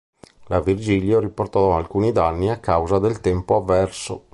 La "Virgilio" riportò alcuni danni a causa del tempo avverso.